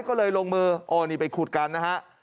ก็เลยลงมืออ๋อนี่ไปขุดกันนะฮะ